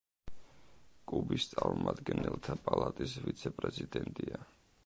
კუბის წარმომადგენელთა პალატის ვიცე-პრეზიდენტია.